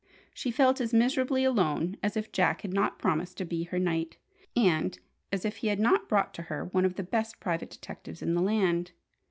She felt as miserably alone as if Jack had not promised to be her "knight," and as if he had not brought to her one of the best private detectives in the land.